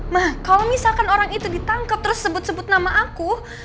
mah kalo misalkan orang itu ditangkep terus sebut sebut nama aku